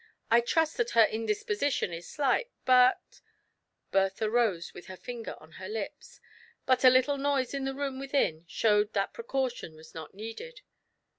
I trust that her in disposition is slight, but "— Bertha rose with her finger on her lips, but a little noise in the room within showed that precaution was not needed.